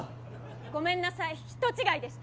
ごめんなさい人違いでした。